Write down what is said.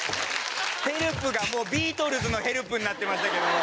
「Ｈｅｌｐ！」がもうビートルズの「Ｈｅｌｐ！」になってましたけども。